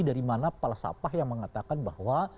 dari mana pak lasapah yang mengatakan bahwa